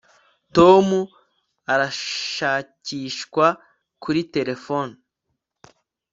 Tom urashakishwa kuri terefone